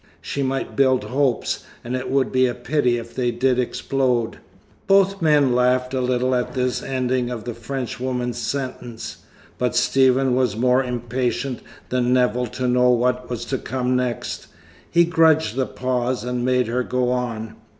She might build hopes, and it would be a pity if they did explode." Both men laughed a little at this ending of the Frenchwoman's sentence, but Stephen was more impatient than Nevill to know what was to come next. He grudged the pause, and made her go on.